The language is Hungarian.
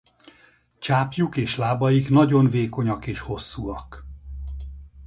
Csápjuk és lábaik nagyon vékonyak és hosszúak.